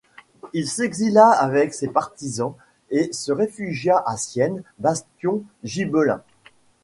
Il s'exila avec ses partisans et se réfugia à Sienne, bastion gibelin.